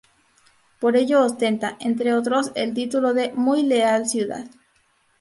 Por ello ostenta, entre otros, el título de "Muy Leal Ciudad".